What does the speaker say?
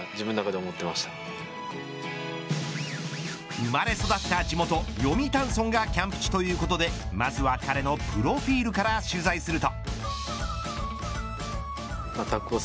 生まれ育った地元、読谷村がキャンプ地ということでまずは彼のプロフィールから取材すると。